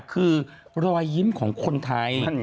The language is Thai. คือรอยยิ้มของคนไทย